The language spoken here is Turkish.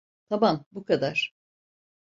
Tamam, bu kadar.